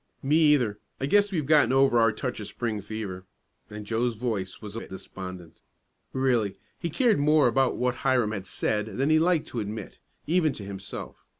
"Me either. I guess we've gotten over our touch of spring fever," and Joe's voice was a bit despondent. Really, he cared more about what Hiram had said than he liked to admit, even to himself.